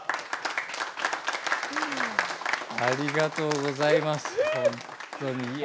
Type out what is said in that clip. ありがとうございますほんとに。